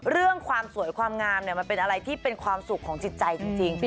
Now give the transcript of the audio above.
เรื่องความสวยความงามมันเป็นอะไรที่เป็นความสุขของจิตใจจริง